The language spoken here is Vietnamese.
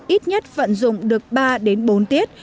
ít nhất vận dụng được ba bốn tiết